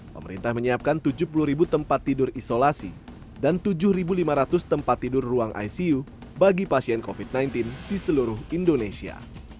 pemerintah menyiapkan tujuh puluh tempat tidur isolasi dan tujuh lima ratus tempat tidur ruang icu bagi pasien covid sembilan belas di seluruh indonesia